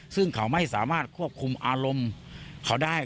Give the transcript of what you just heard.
ซึ่งเขาไม่สามารถควบคุมอารมณ์เขาได้